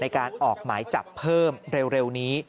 การออกหมายจับเพิ่มเร็วนี้